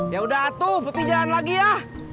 ya udah atuh bp jalan lagi ya